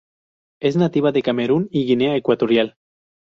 Es nativa de Camerún y Guinea Ecuatorial.